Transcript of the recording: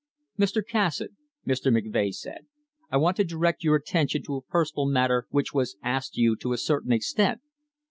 "Mr. Cassatt," Mr. MacVeagh said, "I want to direct your attention to a personal matter which was asked you to a certain extent.